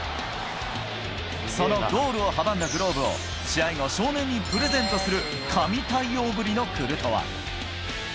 そのゴールを阻んだグローブを試合後、少年にプレゼントする神対応ぶりのクルトワ。